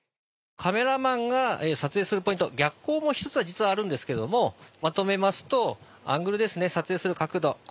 カメラマンが撮影するポイント逆光も１つは実はあるんですけどもまとめますとアングルですね撮影する角度。